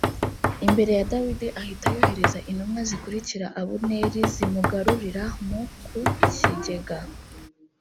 imbere ya dawidi ahita yohereza intumwa zikurikira abuneri zimugarurira m ku kigega